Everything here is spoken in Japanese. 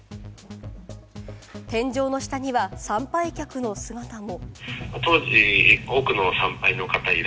天井の下には参拝客の姿も。